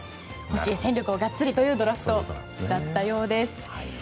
欲しい戦力をガッツリというドラフトだったようです。